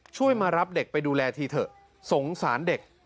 ช่วยมารับเด็กไปดูแลทีเถอะสงสารเด็ก